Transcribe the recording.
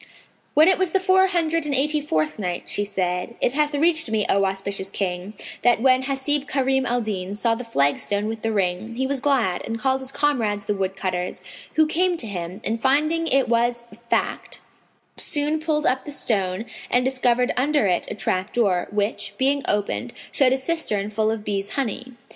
When it was the Four Hundred and Eighty fourth Night, She said, It hath reached me, O auspicious King, that when Hasib Karim al Din saw the flagstone with the ring, he was glad and called his comrades the woodcutters, who came to him and, finding it was fact, soon pulled up the stone and discovered under it a trap door, which, being opened, showed a cistern full of bees' honey.